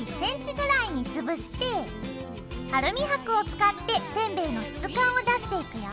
アルミはくを使ってせんべいの質感を出していくよ。